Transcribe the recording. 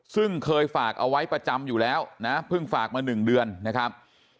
ซึ่งเคยฝากเอาไว้ประจำอยู่แล้วนะเพิ่งฝากมา๑เดือนนะครับ